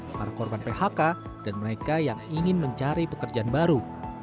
para korban phk dan mereka yang ingin mencari pekerjaan baru